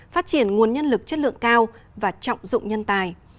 phát triển nguồn nhân lực chất lượng cao và trọng dụng nhân tài